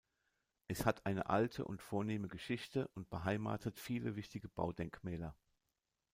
Es hat eine alte und vornehme Geschichte und beheimatet viele wichtige Baudenkmäler.